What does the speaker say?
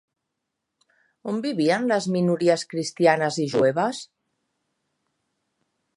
On vivien les minories cristianes i jueves?